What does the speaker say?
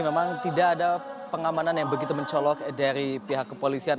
memang tidak ada pengamanan yang begitu mencolok dari pihak kepolisian